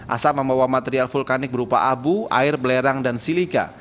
asap membawa material vulkanik berupa abu air belerang dan silika